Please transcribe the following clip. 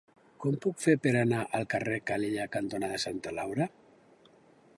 Com ho puc fer per anar al carrer Calella cantonada Santa Laura?